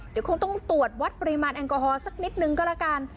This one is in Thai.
เดี๋ยวคงต้องตรวจวัดปริมาณแอลกอฮอลสักนิดนึงก็แล้วกัน